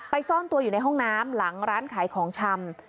ซ่อนตัวอยู่ในห้องน้ำหลังร้านขายของชำ